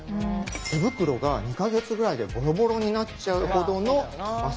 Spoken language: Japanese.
手袋が２か月ぐらいでボロボロになっちゃうほどの摩擦力が。